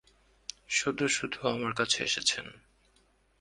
শুধু শুধু আমার কাছে এসেছেন।